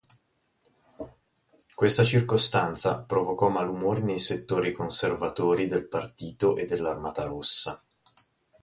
Questa circostanza provocò malumori nei settori conservatori del partito e dell'Armata Rossa.